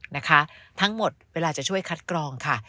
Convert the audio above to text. นะคะทั้งหมดเวลาจะช่วยคัดกรองค่ะ